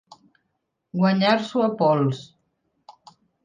Guanyar-s'ho a pols.